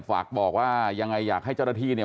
ฝากบอกว่ายังไงอยากให้เจ้าหน้าที่เนี่ย